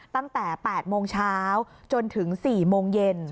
ตั้งแต่๘โมงเช้าจนถึง๔โมงเย็น